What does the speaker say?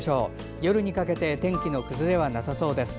夜にかけて天気の崩れはなさそうです。